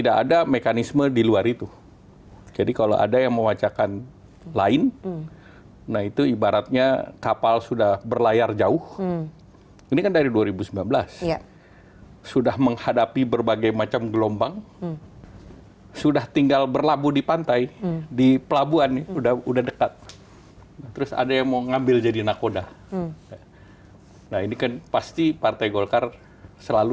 kemarin berencana untuk maju